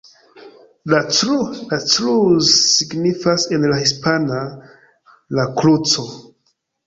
La Cruz signifas en la hispana "La Kruco".